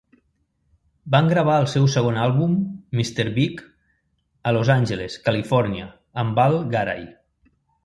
Van gravar el seu segon àlbum, "Mr Big", a Los Angeles, Califòrnia, amb Val Garay.